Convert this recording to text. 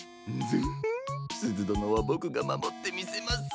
ンヅフッすずどのはボクがまもってみせます。